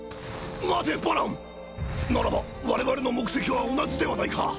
待てバランならば我々の目的は同じではないか。